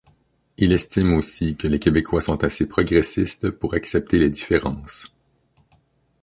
Il estime aussi que les Québécois sont assez progressistes pour accepter les différences.